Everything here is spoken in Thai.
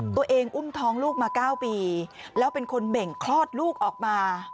อุ้มท้องลูกมา๙ปีแล้วเป็นคนเบ่งคลอดลูกออกมา